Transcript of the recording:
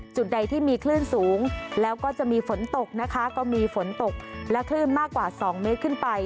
จุดใดที่มีคลื่นสูงแล้วก็จะมีฝนตกนะคะก็มีฝนตกและคลื่นมากกว่า๒เมตรขึ้นไป